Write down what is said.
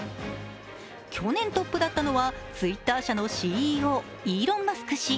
去年トップだったのはＴｗｉｔｔｅｒ社のＣＥＯ、イーロン・マスク氏。